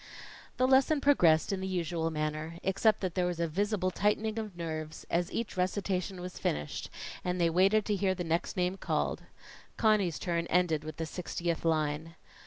The lesson progressed in the usual manner, except that there was a visible tightening of nerves as each recitation was finished, and they waited to hear the next name called. Conny's turn ended with the sixtieth line.